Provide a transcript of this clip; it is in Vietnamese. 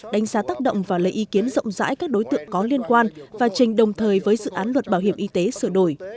đánh giá tác động và lấy ý kiến rộng rãi các đối tượng có liên quan và trình đồng thời với dự án luật bảo hiểm y tế sửa đổi